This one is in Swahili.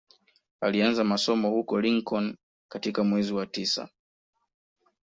Alianza masomo huko Lincoln katika mwezi wa tisa